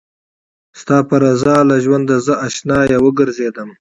ستا په رضا له ژونده زه اشنايه وګرځېدم